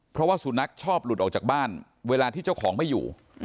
เพราะว่าสุนัขชอบหลุดออกจากบ้านเวลาที่เจ้าของไม่อยู่